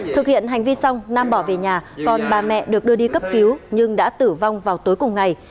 thực hiện hành vi xong nam bỏ về nhà còn bà mẹ được đưa đi cấp cứu nhưng đã tử vong vào tối cùng ngày